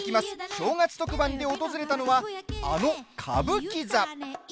正月特番で訪れたのはあの歌舞伎座。